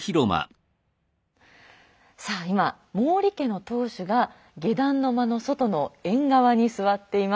さあ今毛利家の当主が下段の間の外の縁側に座っています。